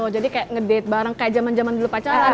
jadi kayak ngedate bareng kayak zaman zaman dulu pacaran